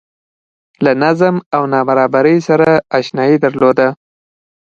له نظم او نابرابرۍ سره اشنايي درلوده